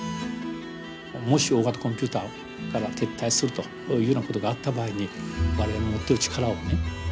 もし大型コンピューターから撤退するというようなことがあった場合に我々の持ってる力をね